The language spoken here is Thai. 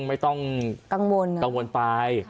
ไม่ต้องกังวลไป